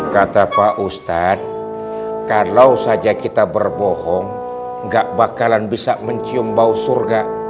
kata pak ustadz kalau saja kita berbohong gak bakalan bisa mencium bau surga